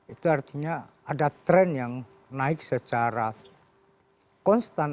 itu artinya ada tren yang naik secara konstan